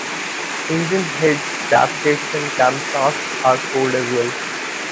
Engine head gaskets and camshafts are sold as well.